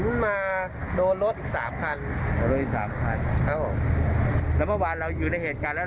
อ๋อผมก็ได้ไปเข้าไป